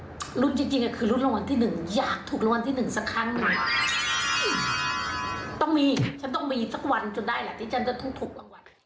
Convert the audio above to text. ต้องมีฉันต้องมีสักวันจนได้แหละที่ฉันจะต้องถูกรางวัล